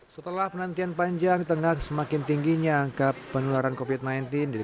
setelah penantian panjang tengah semakin tingginya angka penularan covid sembilan belas di